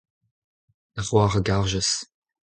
da c'hoar a garjes.